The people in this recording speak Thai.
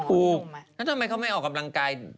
แล้วทำไมเขาไม่ออกกับร่างกาย